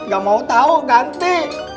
gak mau tau ganti